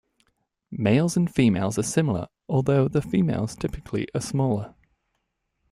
Males and females are similar, although the females typically are smaller.